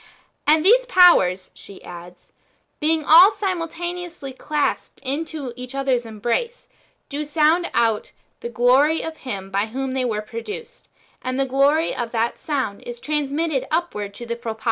^' And these powers," she adds, " being all simultaneously clasped in each other's embrace, do sound out the glory of Him by whom they were produced ; and the glory of that sound is transmitted upwards to the Propator."